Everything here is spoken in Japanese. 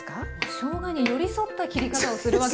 しょうがに寄り添った切り方をするわけですね。